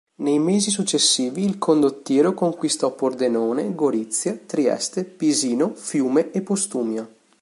Nei mesi successivi il condottiero conquistò Pordenone, Gorizia, Trieste, Pisino, Fiume e Postumia.